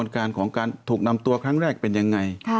การของการถูกนำตัวครั้งแรกเป็นยังไง